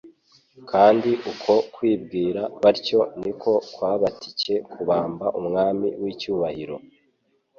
kandi uko kwibwira batyo ni ko kwabatcye kubamba Umwami w'icyubahiro.